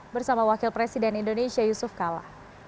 bersama wakil presiden indonesia yusuf kala